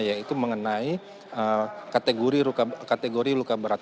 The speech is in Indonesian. yaitu mengenai kategori luka berat